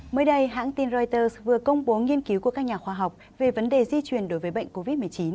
mới đây hãng tin reuters vừa công bố nghiên cứu của các nhà khoa học về vấn đề di chuyển đối với bệnh covid một mươi chín